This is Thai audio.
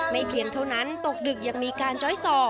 เพียงเท่านั้นตกดึกยังมีการจ้อยส่อ